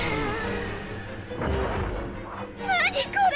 何これ！